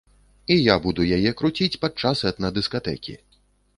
І я буду яе круціць падчас этна-дыскатэкі.